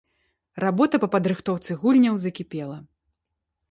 Работа па падрыхтоўцы гульняў закіпела.